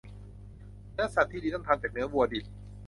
เนื้อสับที่ดีต้องทำจากเนื้อวัวดิบ